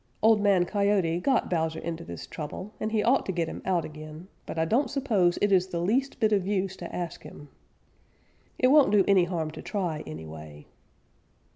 Old Man Coyote got Bowser into this trouble, and he ought to get him out again, but I don't suppose it is the least bit of use to ask him. It won't do any harm to try, anyway."